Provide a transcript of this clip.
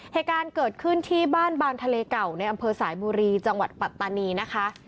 เหตุการณ์เกิดขึ้นที่บ้านบางทะเลเก่าในอำเภอสายบุรีจังหวัดปัตตานีนะคะ